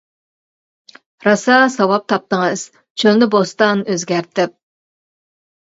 راسا ساۋاب تاپتىڭىز، چۆلنى بوستان، ئۆزگەرتىپ.